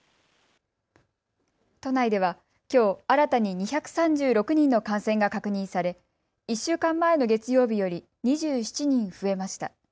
都内ではきょう新たに２３６人の感染が確認され１週間前の月曜日より２７人増えました。